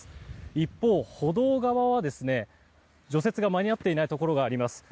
一方、歩道側は除雪が間に合っていないところがあります。